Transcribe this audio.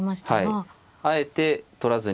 はいあえて取らずに。